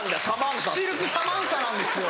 シルクサマンサなんですよ。